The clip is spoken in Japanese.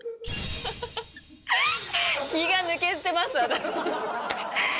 気が抜けてます。